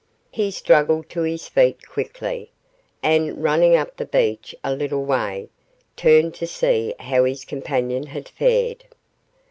He struggled to his feet quickly, and, running up the beach a little way, turned to see how his companion had fared.